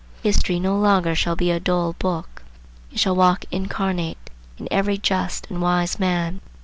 History no longer shall be a dull book. It shall walk incarnate in every just and wise man.